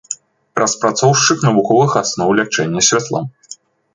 Распрацоўшчык навуковых асноў лячэння святлом.